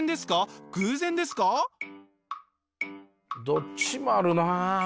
どっちもあるな。